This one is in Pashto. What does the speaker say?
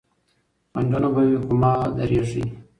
خنډونه به وي خو مه درېږئ.